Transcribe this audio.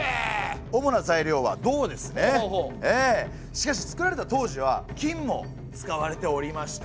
しかし造られた当時は金も使われておりました。